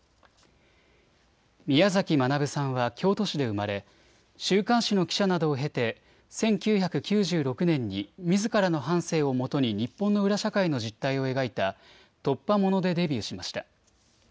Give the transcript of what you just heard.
宮崎学さんは京都市で生まれ、週刊誌の記者などを経て１９９６年にみずからの半生をもとに日本の社会の実態を描いた突破者でデビューしました。